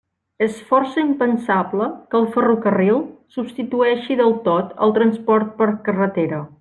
És força impensable que el ferrocarril substitueixi del tot el transport per carretera.